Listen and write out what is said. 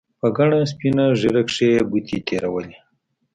په گڼه سپينه ږيره کښې يې گوتې تېرولې.